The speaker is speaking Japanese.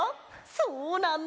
そうなんだ！